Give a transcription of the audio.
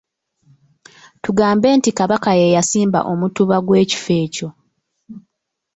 Tugambe nti Kabaka ye yasimba omutuba gw'ekifo ekyo.